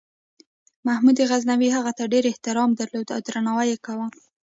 محمود غزنوي هغه ته ډېر احترام درلود او درناوی یې کاوه.